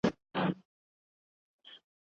درویزه په پښتو ژبه د پښتون روښان ابلیس شو